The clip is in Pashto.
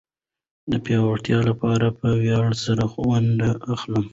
د پياوړتيا لپاره په وياړ سره ونډه اخلي.